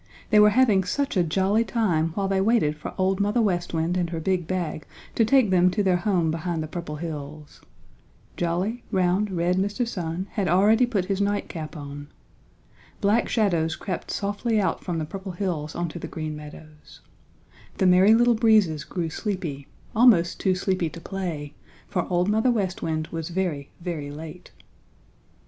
They were having such a jolly time while they waited for Old Mother West Wind and her big bag to take them to their home behind the Purple Hills. Jolly, round, red Mr. Sun had already put his nightcap on. Black shadows crept softly out from the Purple Hills onto the Green Meadows. The Merry Little Breezes grew sleepy, almost too sleepy to play, for Old Mother West Wind was very, very late.